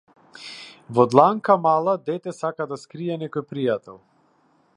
Во дланка мала дете сака да скрие некој пријател.